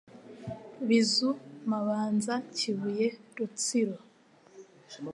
Bizu Mabanza Kibuye Rutsiro